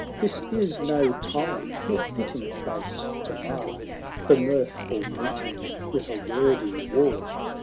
This is no time nor fitting place to mar The mirthful meeting with a wordy war.